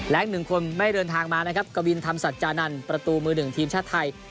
และอีกหนึ่งคนไม่เดินทางมานะครับกวินธรรมสัจจานันทร์ประตูมือหนึ่งทีมชาติไทย